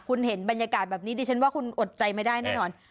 คุณเห็นบรรยากาศแบบนี้ดิฉันว่าคุณอดใจไม่ได้แน่นอน